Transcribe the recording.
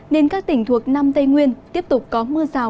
nên các tỉnh thuộc nam tây nguyên tiếp tục có mưa rào